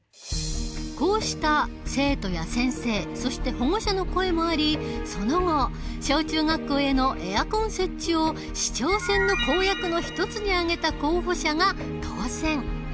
こうした生徒や先生そして保護者の声もありその後小中学校へのエアコン設置を市長選の公約の一つに挙げた候補者が当選。